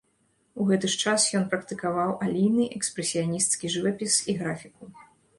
У гэты ж час ён практыкаваў алейны экспрэсіянісцкі жывапіс і графіку.